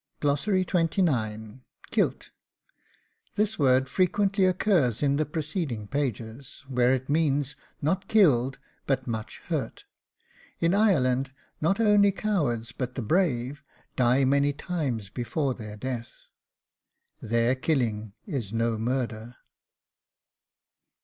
KILT. This word frequently occurs in the preceding pages, where it means not KILLED, but much HURT. In Ireland, not only cowards, but the brave 'die many times before their death.' There KILLING IS NO MURDER.